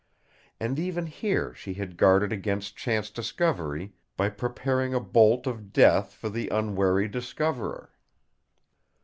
And even here she had guarded against chance discovery, by preparing a bolt of death for the unwary discoverer.